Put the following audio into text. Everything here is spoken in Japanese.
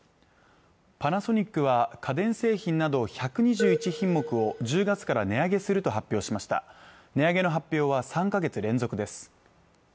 パナソニックは家電製品など１２１品目を１０月から値上げすると発表しました値上げの発表は３か月連続です